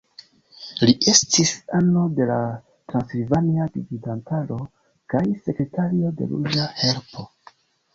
Li estis ano de la transilvania gvidantaro kaj sekretario de Ruĝa Helpo.